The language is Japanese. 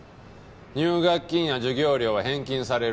入学金や授業料は返金される。